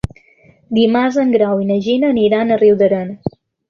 Dimarts en Grau i na Gina aniran a Riudarenes.